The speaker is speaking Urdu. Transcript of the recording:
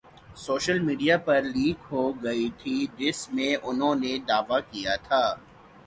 سوشل میڈیا پر لیک ہوگئی تھی جس میں انہوں نے دعویٰ کیا تھا